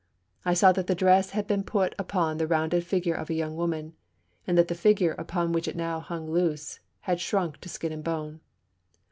I saw that the dress had been put upon the rounded figure of a young woman, and that the figure, upon which it now hung loose, had shrunk to skin and bone.